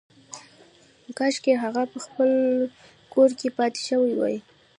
کاشکې هغه په خپل کور کې پاتې شوې وای